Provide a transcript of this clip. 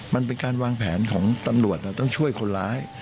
มันเป็นการวางแผนของตำรวจต้องช่วยคนร้าย